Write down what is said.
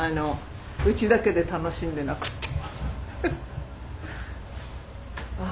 うちだけで楽しんでなくて。